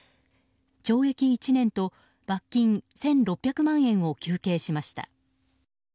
懲役１年と罰金１６００万円を求刑しました。